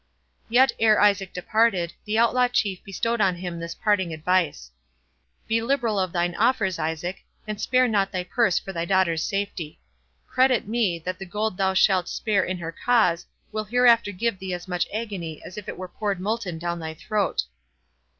Yet ere Isaac departed, the Outlaw Chief bestowed on him this parting advice:—"Be liberal of thine offers, Isaac, and spare not thy purse for thy daughter's safety. Credit me, that the gold thou shalt spare in her cause, will hereafter give thee as much agony as if it were poured molten down thy throat."